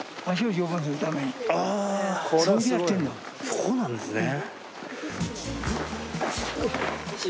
そうなんですね！